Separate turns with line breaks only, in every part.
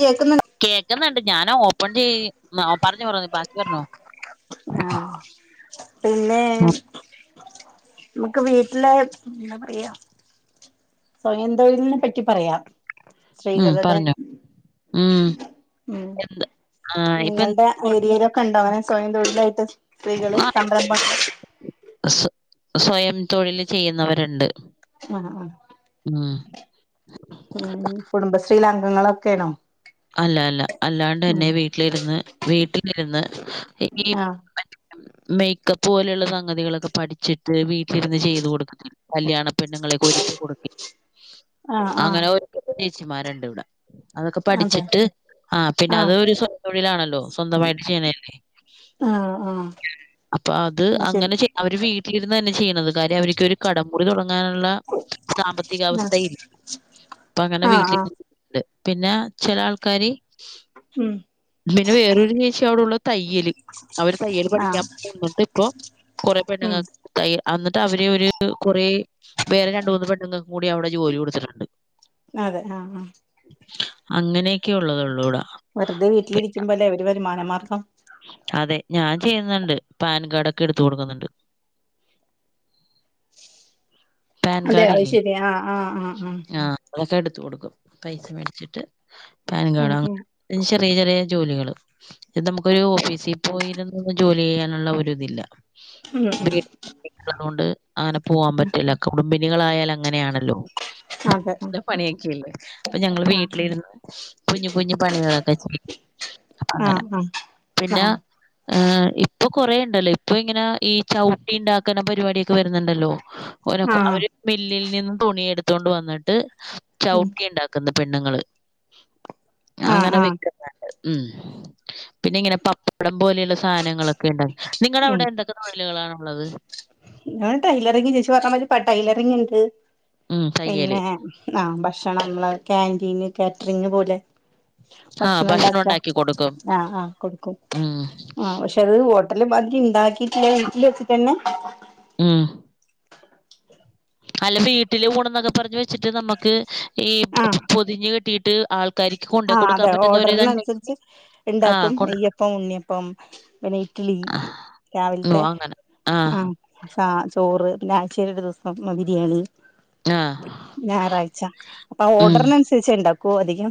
കേക്കുന്നു
കേക്ക്ന്നിണ്ട്, ഞാന ഓപ്പൺ ചെയ് മ പറഞ്ഞു പറഞ്ഞോ ബാക്കി പറഞ്ഞോ.
ആഹ് പിന്നെ നമുക്ക് വീട്ടിലെ എന്താ പറയാ. സ്വയം തൊഴിലിനെ പറ്റി പറയാം, സ്ത്രീകളുടെ
മ
ഉം
എന്താ
നിങ്ങളുടെ ഏരിയയിലൊക്കെ ഇണ്ടോ അങ്ങനെ സ്വയം തൊഴിലായിട്ട് സ്ത്രീകള് സംരംഭം.
സ് സ്വയം തൊഴിൽ ചെയ്യുന്നവരുണ്ട്
ആഹ് ആഹ്
ആഹ്
ഉം കുടുംബശ്രീയില അംഗങ്ങളൊക്കേണോ
അല്ല അല്ല അല്ലാണ്ടന്നെ വീട്ടിലിരുന്ന് വീട്ടിലിരുന്ന് ഇ ഈ
ആഹ്
മേയ്ക്കപ്പ് പോലെയുള്ള സംഗതികളൊക്കെ പഠിച്ചിട്ട് വീട്ടിലിരുന്ന് ചെയ്തു കൊടുക്കത്തിൽ കല്യാണ പെണ്ണുങ്ങളേക്ക ഒരുക്കി കൊടുക്കി
ആഹ്
അങ്ങനെ
ആഹ്
ഒരു ചേച്ചിമാരണ്ട് ഇവിടെ അതൊക്
അതെ
പഠിച്ചിട്ട് ആ പിന്നെ അത്
ആഹ്
ഒരു സ്വയം തൊഴിലാണല്ലോ സ്വന്തമായിട്ട് ചെയ്യുന്നേല്ലെ
ആഹ് ആഹ്
അപ്പ അത് അങ്ങനെ ചെ അവര് വീട്ടിലിരുന്നന്നെ ചെയ്യണത് കാര്യം അവരിക്ക് ഒരു കടംമുടി തുടങ്ങാനുള്ള സാമ്പത്തിക അവസ്ഥ
ആഹ്
ഇല് അപ്പൊ അങ്ങന
ആഹ്
വീട്ടിലി
ആഹ്
[unintelligible] പിന്നെ ചെല ആൾക്കാര്
ഉം
പിന്നെ വേറൊരു ചേച്ചി അവിടുള്ള തയ്യല് അവര് തയ്യല്
ആഹ്
പഠിക്കാൻ പോകുന്നുണ്ട് ഇപ്പൊ കൊറേ
ഉം
പെണ്ണുങ്ങക്ക് തയ്യ അന്നിട്ട് അവര് ഒരു കുറേ വേറെ രണ്ടൂന്ന് പെണ്ണുങ്ങക്ക് കൂടി അവിടെ ജോലി കൊടുത്തിട്ടുണ്ട്
അതെ ആ ആ
അങ്ങനെക്കെ ഒള്ളത് ഒള്ളൂ ട
വെറുതെ വീട്ടില് ഇരിക്കുമ്പോല്ലെ ഒരു വരുമാനമാർഗ്ഗം
അതെ ഞാൻ ചെയ്യുന്നുണ്ട് പാൻ കാർഡൊക്കെ എടുത്ത് കൊടുക്കുന്നുണ്ട് പാൻ
അതെ അത്
കാർഡില്ലേ
ശരി ആ ആ ആ ആ ഉം
ആഹ് അതൊക്കെ എടുത്ത് കൊടുക്കും പൈസ മേടിച്ചിട്ട് പാൻ
ഉം
കാഡങ്ങ [unintelligible] ചെറിയ ചെറിയ ജോലികള് ഇതമ്മ്ക്കൊരു ഓഫീസി പോയിരുന്ന് ജോല്യിയാനുള്ള ഒരു ഇതില്ല [inaudible]
ഉം ഉം
അങ്ങന പോവാൻ പറ്റ് പിന്ന കുടുംബിനികളായാൽ അങ്ങനെയാണല്ലോ [unintelligible]
അതെ ആ
അപ്പൊ ഞങ്ങള്
ആ
വീട്ടിലിരുന്ന് കുഞ്ഞു കുഞ്ഞു പണികളൊക്കെ ചെയ്യും അപ്പ അങ്ങനെ
ആ
പിന്ന
ആ
ഏഹ് ഇപ്പൊ കൊറേണ്ടല്ലോ ഇപ്പൊ ഇങ്ങനെ ഈ ചവുട്ടിണ്ടാക്കാന പരിപാടിയെക്കെ വരുന്നുണ്ടല്ലോ ഓനകോ
ആ
അവര് മില്ലിൽ നിന്നും തുണി എടുത്തോണ്ട് വന്നിട്ട്
ഉം
ചവുട്ടിയെണ്ടാക്കും ക്കുന്ന പെണ്ണുങ്ങള് ഞാൻ
ആ
അങ്ങനെ
ആ
വിക്കുന്നെ എ മ്മ് പിന്നെ ഇങ്ങനെ പപ്പടം പോലെയുള്ള സാനങ്ങളൊക്കെണ്ടാ നിങ്ങടെ
ഉം
അവിടെ എന്തൊക്കെ തോഴിലുകളാണുള്ളത്
[unintelligible] ടൈലറിങ് ചേച്ചി [unintelligible] ടൈലറിങിണ്ട്
ഉം തയ്യല്.
പിന്നെ ആഹ് ഭക്ഷണങ്ങള് കാന്റീന് കാറ്റ്റിങ് പോലെ
ആ
ഭക്ഷണം ഇണ്ടാക്ക
ഉണ്ടാക്കി കൊടുക്കും.
ആഹ് ആഹ് കൊടുക്കും
ഉം.
ആഹ് പക്ഷെ അത് ഹോട്ടല് ബാക്കി ഇണ്ടാക്കിട്ടില്ല വീട്ടിൽ എത്തിച്ചന്നെ
മ്മ് അല്ല വീട്ടില് ഊണ്ന്നൊക്കെ പറഞ്ഞ് വെച്ചിട്ട് നമ്മ്ക്ക് ഈ പൊ പൊ പൊതിഞ്ഞ് കെട്ടിയിട്ട് ആൾ
ആഹ് അതെ ഓഡറിനനുസരിച്ച്
ആ
എണ്ടാക്കും
കൊണ്ട്
നെയ്യപ്പം ഉണ്ണിയപ്പം പിന്നെ ഇ ഡ്ലി
ആ, ഓ
രാവിൽത്തെ
അങ്ങനെ. ആ.
ആഹ് സ ചോറ് പിന്നെ ആഴ്ചയിൽ ഒരു ദിവ്സം ബിരിയാണി
ആ.
ഞായറാഴ്ച അപ്പൊ
ഉം.
ഓർഡറിനനുസരിച്ച് എണ്ടാക്കുവോ അധികം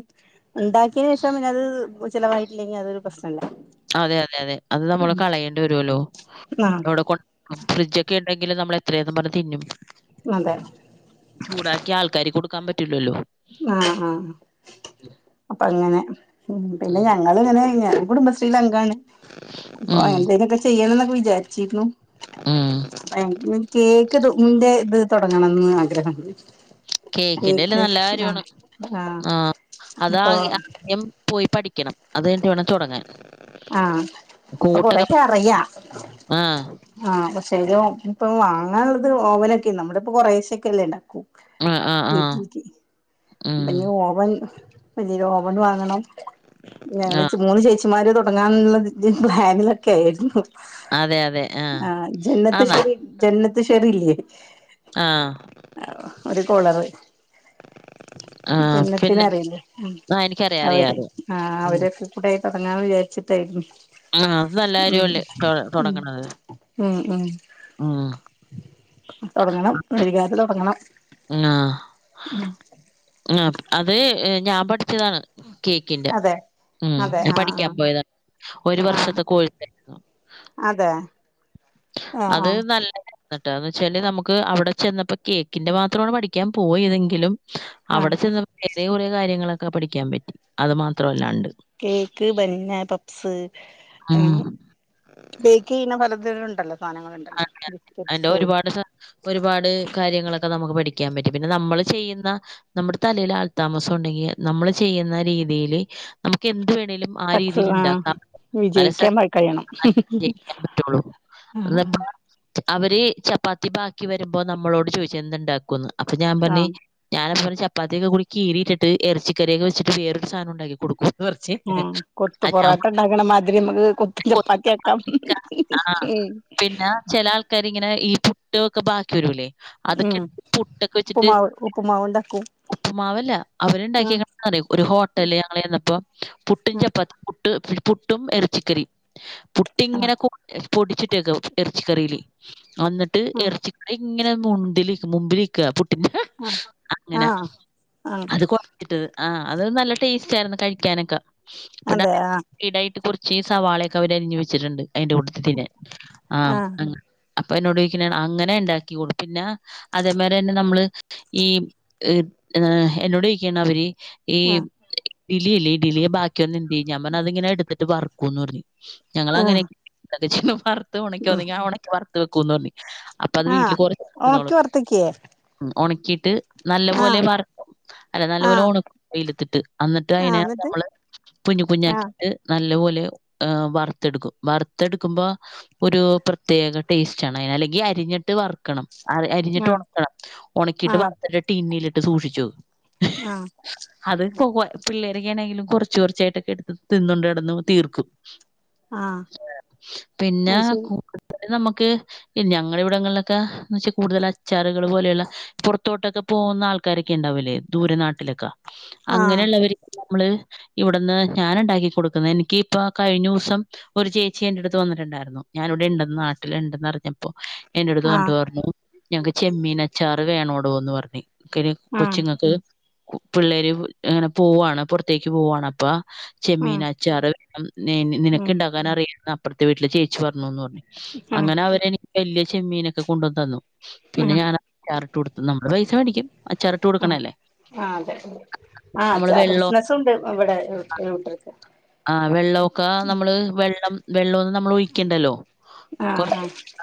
ഉണ്ടാക്കിയന് ശേഷം പിന്നത് ചിലവായിട്ടില്ലെങ്കിൽ അതൊരു പ്രശ്നലെ
അതെ അതെ അതെ അത് നമ്മള് കളയേണ്ടി വരോല്ലോ
ആഹ്
അവിടെ കൊ ഫ്രിഡ്ജൊക്കെ എണ്ടെങ്കിലും നമ്മള് എത്രയേന്നും പറഞ്ഞ് തിന്നും
അതെ
ചൂടാക്കി ആൾക്കാര്ക്ക് കൊടുക്കാൻ പറ്റില്ലല്ലോ
ആഹ്, ആഹ് അപ്പൊ അങ്ങനെ ഉം പിന്നെ ഞങ്ങളിങ്ങനെ, ഇങ്ങനെ കുടുംബ ചിലങ്കാണ് അപ്പ
ഉം.
എന്തെലുക്കെ ചെയ്യണം എന്നൊക്കെ വിചാരിച്ചിരുന്നു.
ഉം.
എനിക്കി കേക്ക് ത് ന്റെ ഇത് തുടങ്ങണംന്ന് ആഗ്രഹംണ്ട്.
കേക്കിന്റെലെ നല്ല കാര്യോണ് ആഹ്
ഇപ്പൊ
അതകെ ആദ്യം പോയി പഠിക്കണം. അതഴിഞ്ഞിട്ട് വേണം തുടങ്ങാൻ.
ആഹ് ഇപ്പ കൊറേക്കെ അറിയാ.
ആഹ്
ആഹ് പക്ഷെ അതിന്റെ ഒപ്പം വാങ്ങാള്ളത് ഓവനൊക്കെ നമ്മുടെ ഇപ്പോ കൊറേശ്ശൊക്കെ അല്ലേ ഇണ്ടാക്കൂ.
ആഹ് ആഹ് ആഹ്
വീട്ടിലെക്ക്‌. അപ്പ
ഉം
ഇനി ഓവൻ, ഓവൻ വാങ്ങണം. ഞങ്ങൾ
ആഹ്
ച്ച് മൂന്ന് ചേച്ചി മാര് തുടങ്ങാനുള്ള ഒരു പ്ലാനിലൊക്കെ ആയിരുന്നു.
അതെ അതെ
ആഹ്
ആ
ജെന്നത്ത്
ന
ശരി ജന്നത്ത് ശെരില്ലേ.
ആഹ്.
ആഹ് ഒരു കൊളറ്
ആഹ്
ജനത്തിന
പിന്നെ
അറിയില്ലേ
ആ എനിക്കറിയാം അറിയാം
അവര്
അറിയാം
ആഹ്
ഉം
അവരൊ കുടെതൊടങ്ങാന്ന് വിചാരിച്ചിട്ടാരിക്കും.
ആഹ് അത് നല്ല കാര്യല്ലേ തൊട തൊടങ്ങണത്.
മ്മ് മ്മ്
ഉം
തൊടങ്ങണം വൈകാതെ തൊടങ്ങണം. മ്മ്.
ഉം അത് ഞാ പഠിച്ചതാണ്. കേക്കിന്റെ
അതെ
മ്മ്
അതെ
ഞാൻ
ആഹ്
പഠിക്കാൻ
ആഹ്
പോയതാണ് ഒരു
ആഹ്
വർഷത്തെ കോഴ്സെ.
അതെ. ആഹ്
അത്
ആഹ്
നല്ല എന്നിട്ടാന്ന് വെച്ചാല് നമുക്ക് അവിടെ ചെന്നപ്പോ കേക്കിന്റെ മാത്രാണ് പഠിക്കാൻ പോയതെങ്കിലും
ആഹ്
അവിടെ ചെന്ന് വേറെ കുറെ കാര്യങ്ങളൊക്കെ പഠിക്കാൻ പറ്റി. അത് മാത്രമല്ലാണ്ട്.
കേക്ക്, ബന്ന, പപ്സ് ആ.
ഉം.
ബേക്കെയ്യണ വരദരുണ്ടല്ല.
അതെ അതിന്റെ ഒരുപാട് സാ ഒരുപാട് കാര്യങ്ങളൊക്കെ നമുക്ക് പഠിക്കാൻ പറ്റും. പിന്നെ നമ്മള് ചെയ്യുന്ന നമ്മുടെ തലേല് ആൽ താമസം ഉണ്ടെങ്കി നമ്മള് ചെയ്യുന്ന രീതീല് നമുക്ക് എന്ത് വേണെലും ആ
സക്സ്
രീതീല്
ആഹ്
ഇണ്ടാക്കാം
വിജയിക്കാൻ പ കഴിയണം
[unintelligible] ജയിക്കാൻ പറ്റുള്ളൂ.
ആഹ്
എന്നപ്പോ
ആഹ്
അവര് ചപ്പാത്തി ബാക്കി വരുമ്പോ നമ്മളോട് ചോദിച്ച് എന്ത് ഉണ്ടാക്കുംന്ന്. അപ്പൊഞാ പറെഞ്
ആഹ്
ഞാനപ്പോപറഞ് ചപ്പാത്തിയൊക്കെകൂടി കീറിയിട്ടിട്ട് എറച്ചിക്കറിയൊക്കെവെച്ചിട്ട് വേറോരുസാനംഉണ്ടാക്കിടുക്കും.
ഉം കൊത്ത് പൊറോട്ടണ്ടകണ മാതിരി നമുക്ക് കൊത്ത ചപ്പാത്തിയാക്കാം.
ആഹ്
ഉം
പിന്നെ ചെല ആൾക്കാരിങ്ങനെ ഈ പുട്ട് ഒക്കെ ബാക്കി വരുലേ
ഉം ഉപ്പ്മാവ്, ഉപ്പ്മാവ് ഉണ്ടാക്കും.
ഉപ്പ്മാവല്ല
ആഹ്
അവരുണ്ടാക്കിയെക്കണ ഒരു ഹോട്ടല് ഞങ്ങള് ചെന്നപ്പോ പുട്ടും ചപ്പാത്തി പുട്ട്, പുട്ടും എറച്ചികറീം
ആഹ്
പുട്ടിങ്ങനെ പൊടിച്ചിട്ടേക്ക. എറച്ചിക്കറില് വന്നിട്ട്
ആഹ് ആഹ്
എറച്ചിക്കറി ങ്ങനെ മുമ്പില്, മുമ്പില്ക്ക.
ആഹ്
അങ്ങന
ആഹ് ആഹ്
അത്കൊ ആ അത് നല്ല ടേസ്റ്റാരുന്നു കഴിക്കാനൊക്ക ഇബ്ട
അതെ ആഹ്
കീ ഡയറ്റ് കു ചീസവാളക്കെ അവര് അരിഞ് വച്ചിട്ട്ണ്ട് അയിന്റെട്ടത്തി തിന്നാൻ. ആ
ആഹ്
അ അപ്പൊ എന്നോടോയിക്കണെണ് അങ്ങനെ ഇണ്ടാക്കികൊടു പിന്നെ അതേമേലന്നെ നമ്മള് ഈ എന്നോടൊയിക്കെണ് അവര് ഈ
ആഹ്
ഇഡിലില്ലേ ഈഡിലിയെ ബാക്കിയന്ന എന്തെയ്യും ഞാപറഞ് അതിങ്ങനെ എടുത്തിട്ട് വർക്കൂന്ന് പറഞ്. ഞങ്ങളങ്ങനെ
ആഹ്
[unintelligible] വർത്ത് ഒണക്കി
ഉം
ഒന്നുങ്കി ആ ഒണക്കി വർ ത് വെക്കുംന്ന്റിഞ്. അപ്പ അത് വീട്ടില്
ആഹ്
കൊറച്ചുന്നോളു
ഒണക്കി വറുത്തക്കേ
ഒണക്കിട്ട് നല്ല പോലെ
ആഹ്
വർ അല്ല നല്ലപോലെ
ആഹ്
ഓണക് വെയിലത്തിട്ട്. അന്നിട്ട്
ആഹ്
അയിനെ
എന്നിട്ട്
നമ്മള് കുഞ്ഞ്
ആഹ്
കുഞ്ഞാക്കിട്ട് നല്ല പോലെ വർത്തെടുക്കും വർത്തെടുക്കുമ്പോ ഒരു പ്രത്യേക ടേസ്റ്റ് ആണ് അയിന് അല്ലെങ്കി അരിഞ്ഞിട്ട് വറുക്കണം അതെ അരിഞ്ഞിട്ട്
ആഹ്
ഒണക്കണം ഒണക്കിയിട്ട്
ആഹ്
വറുത്തിട്ട് ടിന്നിലിട്ട് സൂക്ഷിച്ചു വെക്കും.
ആഹ്
അത് [unintelligible] പിള്ളേരെക്കെ ആണെങ്കിലും കൊറച്ച് കൊറച്ചായിട്ടൊക്കെ എടുത്ത് തിന്നോണ്ട് നടന്ന് തീർക്കും
ആഹ്
പിന്നാ
അത് ശരി
കൂടുതല് നമ്മക്ക് പിൻ ഞങ്ങൾടെ ഇവിടങ്ങളിലൊക്കെ എന്ന് വെച്ചാൽ കൂടുതൽ അച്ചാറുകൾ പോലെയുള്ള പൊറത്തോട്ടൊക്കെ പോകുന്ന ആൾക്കാരൊക്കെ ഇണ്ടാവുല്ലേ ദൂരെ നാട്ടിലൊക്കെ
ആഹ്
അങ്ങനെയുള്ളവര് നമ്മള് ഇവിടുന്ന് ഞാൻ ഇണ്ടാക്കി കൊടുക്കുന്ന എനിക്കിപ്പ കഴിഞ്ഞുസം ഒരു ചേച്ചി എൻ്റെടുത്ത് വന്നിട്ടുണ്ടായിരുന്നു ഞാനിവിടെ ഇണ്ടെന്ന് നാട്ടിൽ ഇണ്ടെന്ന് അറിഞ്ഞപ്പോ എന്റെ അടുത്ത്
ആഹ്
വന്നിട്ട് പറഞ്ഞു ഞങ്ങക്ക് ചെമ്മീനച്ചാറ് വേണോടോന്ന് പറഞ്ഞ് [unintelligible]
ആഹ്
കൊച്ചുങ്ങക്ക് ഉ പിള്ളേര് ഇങ്ങനെ പോവാണ് പൊറത്തേക്ക് പോവാണ് അപ്പ
ഉം
ചെമ്മീനച്ചാറ് വേണം നി
ഉം
നിനക്ക്
ഉം
ഇണ്ടാക്കാൻ അറിയാന്ന് അപ്പർത്തെ വീട്ടിലെ ചേ ച്ചി പറഞ്ഞൂന്ന് പറഞ്ഞു അങ്ങനെ അവരെനിക്ക് വല്യ ചെമ്മീനൊക്കെ കൊണ്ടുവന്നു തന്നു പിന്നെ
ഉം
ഞാൻ അച്ചാറിട്ട് കൊടുത്തു നമ്മള് പൈസ മേടിക്കും അച്ചാറിട്ട്
ഉം
കൊടുക്കണല്ലേ
ആഹ് അതെ ആഹ്
നമ്മള്
അച്ചാറ്
വെള്ളം
ബിസിനസ്സുണ്ട് ഇവിടെ [unintelligible]
ആഹ് വെള്ളൊക്കെ നമ്മള് വെള്ളം വെള്ളം ഒന്നും നമ്മൾ ഒഴിക്കണ്ടല്ലോ കൊർ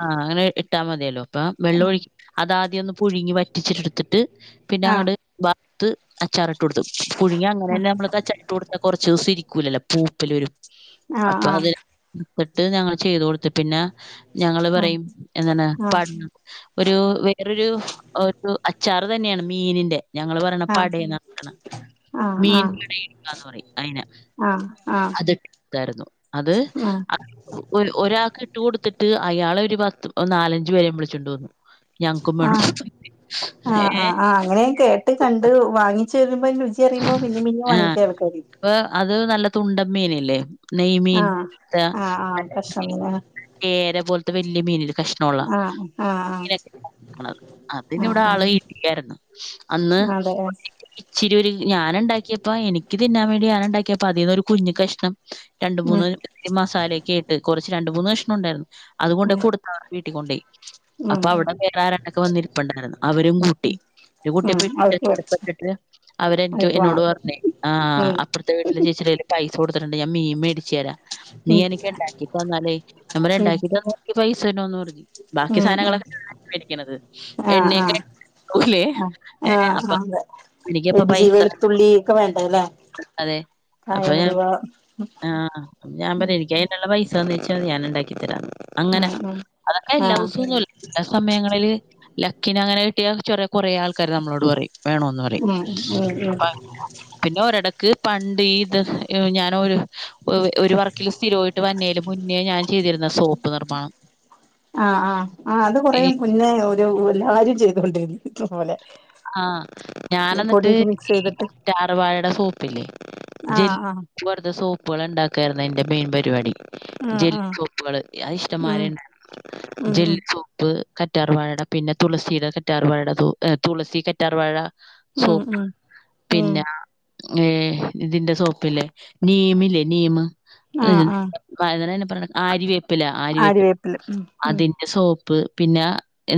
ആഹ് അങ്ങനെ ഇട്ടാ മതിയല്ലോ അപ്പൊ വെള്ള
ഉം
ഒഴി അതാദ്യം ഒന്ന് പുഴുങ്ങി വറ്റിച്ചിട്ട് എടുത്തിട്ട് പിന്നെ
ആഹ്
അങ്ങട് ബാ ത്ത് അച്ചാറിട്ട് കൊടുത്ത് പുഴുങ്ങിയാ അങ്ങനെ തന്നെ നമ്മള് അച്ചാറിട്ട് കൊടുത്താ കൊറച്ച് ദിവസം ഇരിക്കൂലല്ലോ പൂപ്പല് പെരും അപ്പൊ
ആഹ്
അത് [unintelligible] എടുത്തിട്ട് ഞങ്ങൾ ചെയ്ത് കൊടുത്ത് പിന്നാ ഞങ്ങള്
ആഹ്
പറയും എന്താണ്
ആഹ്
[unintelligible] ഒരു വേറൊരു ഒരു അച്ച് ച്ചാറ് തന്നെയാണ് മീനിന്റെ ഞങ്ങള് പറയണെ
ആഹ്
[unintelligible] മീൻ
ആഹ്
[unintelligible] പറയും അയിനാ
ആഹ് ആഹ് ആഹ് ആഹ് ആഹ്
അത് [unintelligible] ആരുന്നു അത് ഒ ഒര് ഒരാക്ക് ഇട്ട് കൊടുത്തിട്ട് അയാളൊരു പത്ത് നാലഞ്ച് പേരെയും വിളിച്ചോണ്ട് വന്നു ഞങ്ങക്കും വേണം.
ആഹ് ആഹ്
ഏ
ആഹ് ആഹ് അങ്ങനെ ഞാൻ കേട്ട്
തുണ്ട
കണ്ട് വാങ്ങിച്ച് വരുമ്പോ രുചി അിയുമ്പോ പിന്നേം പിന്നേം വാങ്ങിക്കും ആൾക്കാര്
വേ അത് നല്ല തുണ്ടം മീനില്ലേ? നെയ്മീൻ
ആഹ്
പോലത്തെ
ആഹ് ആഹ് കഷ്ണം മീന്
കേര പോലത്തെ വല്യ മീനില്ലെ കഷ്ണ ഒള്ള
ആഹ് ആഹ് ആഹ്
[unintelligible] അതിന് ഇവിടെ
ആഹ് ആഹ്
ആള് ഇടിയാരുന്നു അന്ന്
അതെ ഉം
ഇച്ചിരി ഒരു ഞാന് ഇണ്ടാക്കിയപ്പ എനിക്ക് തിന്നാൻ വേണ്ടി ഞാൻ ഇണ്ടാക്കിയപ്പ അതീന്ന് ഒരു കറഞ്ഞി കഷ്ണം രണ്ട് മൂന്ന് ഈ മസാലയൊക്കെ ആയിട്ട് കൊറച്ച് രണ്ട് മൂന്ന് കഷ്ണം ഒണ്ടാരുന്നു അത്
ഉം
കൊണ്ടോയി കൊടുത്ത് അവരെ വീട്ടി കൊണ്ടോയി
ഉം
അപ്പൊ അവിടെ വേറെ ആരാണ്ടൊക്കെ വന്നിരിപ്പ്ണ്ടായിരുന്നു അവരും കൂട്ടി അവര്
ഉം
കൂട്ടിയപ്പോ [unintelligible]
അവർക്ക്
ഇഷ്‌ട്ടപ്പെട്ടിട്ട് അവരെനിക്ക്
അവർക്ക്
എന്നോട്
വേണം
പറഞ്ഞേ ആഹ്
ഉം
അപ്പർത്തെ വീട്ടിലെ ചേച്ചീടെ കൈയില് പൈസ കൊടുത്തിട്ടുണ്ട് ഞാൻ മീൻ മേടിച്ചു തരാം നീ
ഉം
എനിക്ക് ഉണ്ടാക്കി തന്നാലേ ഞാൻ പറഞ്ഞു ഇണ്ടാക്കി തന്നാ എനിക്ക് പൈസ തന്നോന്ന് പറഞ്ഞു [unintelligible] ബാക്കി
ഉം ഉം ഉം
സാധനങ്ങളൊക്കെ [unintelligible] മേടിക്കണത്
ആഹ്
എണ്ണയൊക്കെ
ആഹ്
ആവൂല്ലേ
ആഹ്
ഏഹ്
ആഹ്
അപ്പൊ
അതെ
എനിക്ക്
ഇഞ്ചി വെളുത്തുള്ളി ഒക്കെ വേണ്ടേ ല്ലേ
അതെ. അപ്പൊ ഞാൻ ആഹ് ഞാൻ പറയാ എനിക്കയിനുള്ള പൈസ തന്നേച്ചാ മതി ഞാൻ ഇണ്ടാക്കിത്തരാന്ന് അങ്ങനെ
ഉം ഉം
അതൊക്കെ
ആഹ്
എല്ലാസോം [unintelligible] ചെല സമയങ്ങളില് ലക്കിന് അങ്ങനെ കിട്ടിയാ ചെറിയ കൊറേ ആൾക്കാര് നമ്മളോട് പറയും വേണോന്ന് പറയും
ആഹ്
അപ്പ
[unintelligible]
പിന്നെ ഒരടക്ക് പണ്ട് ഈ ഇത് ഞാനൊരു ഒ ഒരു വറക്കില് സ്ഥിരോയിട്ട് വന്നേലും മുന്നേ ഞാൻ ചെയ്തിരുന്നാ സോപ്പ് നിർമ്മാണം
ആഹ് ആഹ് ആഹ് അത് കൊറെ
ഈ
മുന്നേ ഒരു എല്ലാവാരും ചെയ്തോണ്ടിരുന്ന ഇതേ പോലെ
ആഹ് ഞാനന്നിട്ട് ഈ
ചെയ്തിട്ട്
കറ്റാർ വാഴേടെ സോപ്പില്ലേ ജെൽ
ആഹ് ആഹ്
വെറുതെ സോപ്പുകള് ഇണ്ടാക്കായിരുന്നു എന്റെ മെയിൻ പരിപാടി
ആഹ്
ജെൽ
ആഹ്
ചോപ്പുകള് അയി
ഉം
ഇഷ്ടംമാരെ ണ്ടായിര്ന്നു.
ഉം
ജെൽ സോ പ്പ്, കറ്റാർവാഴടെ പിന്നെ തുളസിടെ കറ്റാർവാഴടെ സൂ ഏ തുളസി, കറ്റാർവാഴ
ഉം
സോപ്പ്
ഉം ഉം ഉം
പിന്നാ ഏഹ്. തിന്റെ സോപ്പ്ല്ലെ നീമ് ല്ലേ നീ മ്
ആഹ് ആഹ്
[unintelligible] പറണെ ആരിവേപ്പ്ല, ആരിവേപ്പ്
ആര്യവേപ്പില ഉം ഉം
അതി സോപ്പ് പിന്നാ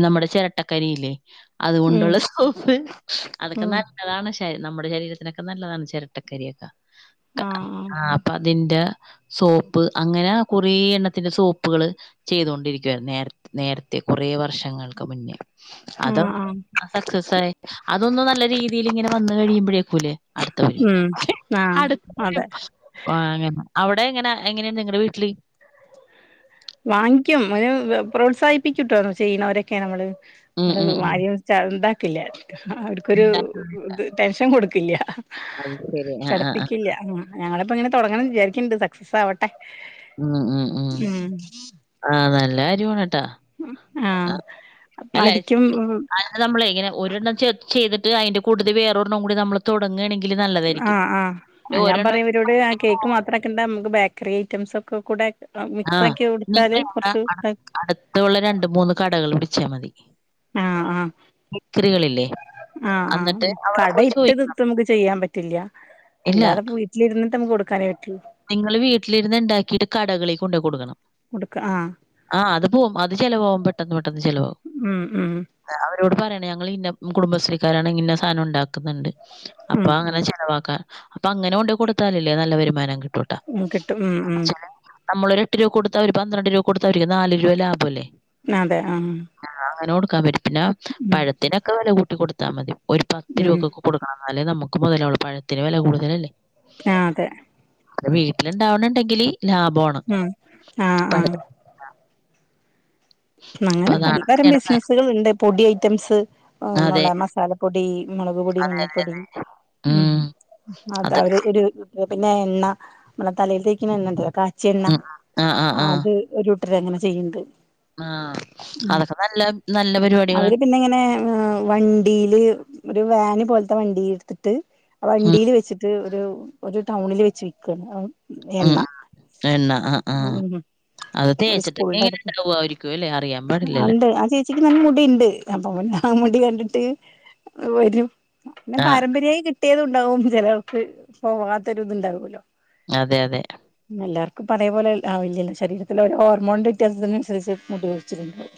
നമ്മടെ ചെരട്ടക്കരിയില്ലേ
ഉം
അത്കൊണ്ട്ള്ള [unintelligible] അതെക്കെ
ഉം
നല്ലതാണ് ശര് നമ്മടെ ശരീരത്തിനെക്കെ നല്ലതാണ് ചെരട്ടക്കരി യൊക്കാ ക്കാ. ആഹ് അപ്പതിന്റെ സോപ്പ് അങ്ങനെ കുറേ എണ്ണത്തിന്റെ സോപ്പ് കള് ചെയ്തൊണ്ടിരിക്കുവാര്ന്ന് നേരത് നേരത്തെ കൊറേ വർഷങ്ങൾക്ക് മുന്നേ അത
ആഹ് ആഹ്
സക്സസായി. അതൊന്നും നല്ല രീതിയില്ങ്ങനെ വന്ന് കഴിയുമ്പോഴേക്കൂല്ലേ അട്ത്തപഴി.
ഉം ആഹ്
അട്
അതെ
[unintelligible] [unintelligible] അവ്ടെ എങ്ങനാ എങ്ങനെണ്ട് [unintelligible] ങ്ങള്ടെ വീട്ട്ല്
വാങ്ങിക്കും [unintelligible] പ്രോത്സാഹിപ്പിക്യുട്ടോ ചെയ്യുന്നവരൊക്കെ നമ്മള്.
ഉം ഉം ഉം.
[unintelligible] ച്ച ന്താക്കില്ല. അവര്ക്കൊരു ത് ടെൻഷെൻ കൊട്ക്കില്യ.
അത് ശരി ആ ആ
ചടപ്പിക്കില്ല്യാ. ആ ഞങ്ങളപ്പോ ഇങ്ങനെ തൊടങ്ങണം വിചാരിക്ക്ണ്ട് സക്സസാവട്ടെ
ഉം ഉം ഉം. ആഹ് നല്ല കാര്യാണ് ട്ടാ
ആഹ് മടിക്കും
ശരി.
[unintelligible]
അത് നമ്മളെ ഇങ്ങനെ ഒരെണ്ണം ചേ ചെയ്തിട്ട് അയിന്റെ കൂട്ടത്തി വേറെരെണം കൂടി നമ്മള് തൊടങ്ങേണെങ്കില് നല്ല
ആഹ് ആഹ് ആ ഞാപറയും ഇവരോട് ആ കേക്ക് മാത്രംക്കണ്ട അമുക്ക് ബേക്കറി ഐറ്റംസ് ഒക്ക കൂടെ റം
ആ
മിക്സാക്കി കൊട്ത്താല് കൊർച്ച് ക
തൊള്ള രണ്ട്‌, മൂന്ന് കടകള്ള് പിടിച്ചാമതി.
ആഹ് ആഹ്
ബേക്കറികളില്ലേ.
ആഹ്
എന്നിട്ട്
ആഹ്
അവിടെ പോയി
കടയിട്ട്ത്
ചോദിക്കും
ത്ത്മുക്ക് ചെയ്യാംപറ്റില്യാ.
ഇല്ല
അല്ലാതെ പോയി ച്ചിലിര്ന്ന്ട്ട് അമുക്ക് കൊടുക്കാനേപറ്റു.
നിങ്ങള് വീട്ട്ല് ര്ന്ന് ണ്ടാക്കിട്ട് കടകളി കൊണ്ടോയി കൊടുക്കണം.
കൊടുക്ക ആഹ്
ആഹ് അത് പോം. അത് ചെലവാവും പെട്ടെന്ന്, പെട്ടെന്ന് ചെലവാവും.
ഉം ഉം.
അവരോട് പറയണെ ഞങ്ങൾ ഇന്ന മ് കുടുംബശ്രീക്കാരാണ് ഇന്ന സാനം ണ്ടാക്ക്ന്ന് ണ്ട്.
ഉം
അപ്പാ ങ്ങനെ ചെലവാക്കാ. അപ്പാ അങ്ങനെ കൊണ്ട് കൊട്ത്താലല്ലേ നല്ല വരുമാനം കി
ഉം കിട്ടും ഉം ഉം.
നമ്മളൊരു എട്ട് രൂപകൊട്ത്താ അവര് പന്ത്രണ്ട് രൂപ കൊട്ത്താ അവര്ക്ക് നാല് രൂപ ലാഭല്ലേ.
അതെ ആഹ് ആഹ്
ആഹ് അങ്ങനൊട്ക്കാപറ്റും. പിന്നാ
ഉം
പഴത്തിനൊക്കെ വെല കൂട്ടി കൊടുത്താമതി. ഒരു പത്ത്
ഉം
രൂപക്കൊക്ക കൊടുക്കണം ന്നാലേ നമുക്കും മൊതലാവൊള്ളൂ. പഴത്തിന് വെല കൂടുതലല്ലേ.
ആഹ് അതെ.
[unintelligible] വീട്ടില്ണ്ടാവണിണ്ടെങ്കില് ലാഭോ ൺ
ഉം. ആഹ് ആഹ്.
അപ്പൊ
അങ്ങനെ
ഉം.
പൽ
അതാണ്
പരം
അങ്ങനെയാണ് കാര്യം.
ബിസ്നസ്കൾണ്ട്. പൊടി ഐറ്റംസ്
അതെ.
[unintelligible] മസാലപ്പൊടി, മൊളക്പൊടി
അതെ അതെ.
മഞ്ഞപ്പൊടി. ഉം അതവര്
അതൊക്കെ
ഒരു പിന്നെ എണ്ണ നമ്മളെ തലേൽത്തേക്ക്ണെ എണ്ണണ്ടല്ലൊ കാച്ചിയെണ്ണ
ഉം ആഹ് ആഹ് ആഹ്
അത് ഒരൂട്ടര് അങ്ങനെ ചെയ്യ്ണ്ട്.
ആഹ് അതൊക്കെ നല്ല, നല്ല പരിപാടികളാണ്.
പിന്നെങ്ങനെ. ആഹ് വണ്ടില് രു വാന് പോൽത്തെ വണ്ടിൽട്ത്ത്ട്ട്
ഉം
ആവണ്ടില് വെച്ചി ട്ട്ഒരു ഒരു ടൗണ്ല് വെച്ചി വിക്കാണ് അ
ഉം ഉം ആഹ്. എണ്ണ ആഹ് ആഹ്
ഉം
അ അ് തേച്ചിട്ടെക്കെ ഏനെണ്ടാവുവായിരിക്കുംല്ലെ അറിയാം
അല്ലേ. ആ ചേച്ചിക്ക് നല്ല മുടിയിണ്ട്. അപ്പൊ പിന്നെ ആ മുടി കണ്ട്ട്ട് വരും. ന്നെ
ആഹ്
പാരമ്പര്യായി കിട്ടിയതുണ്ടാവും ചെലൊർക്ക്. പോവാത്തൊര് തുണ്ടാവുല്ലോ.
അതെ അതെ.
എല്ലാർക്കും പ്പതെപോലെ ആവില്യലൊ ശരീരത്തിലെ ഒരൊ ഹോർമോണിന്റെ വ്യത്യാസത്തിനനുസരിച്ച്. മുടിഴിച്ചിടിണ്ടാവും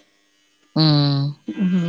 ഉം.
ഉം.